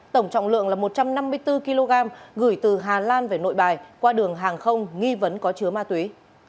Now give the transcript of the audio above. tổng trọng lượng là một trăm năm mươi bốn kg gửi từ hà lan về nội bài qua đường hàng không nghi vấn có chứa ma túy